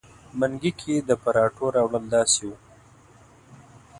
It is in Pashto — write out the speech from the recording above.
منګي کې د پراټو راوړل داسې وو.